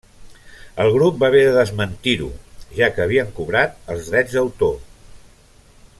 El grup va haver de desmentir-ho, ja que havien cobrat els drets d'autor.